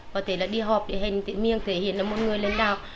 có thể là đi họp để hành tự miên thể hiện là một người lãnh đạo